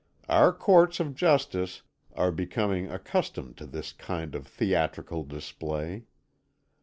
Our courts of justice are becoming accustomed to this kind of theatrical display.